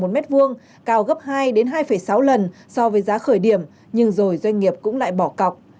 đất vuông cao gấp hai hai sáu lần so với giá khởi điểm nhưng rồi doanh nghiệp cũng lại bỏ cọc